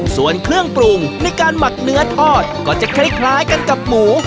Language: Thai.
ส่วนเครื่องปรุงในการหมักเนื้อทอดก็จะคล้ายกันกับหมู